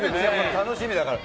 楽しみだから。